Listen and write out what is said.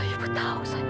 ibu tahu sayang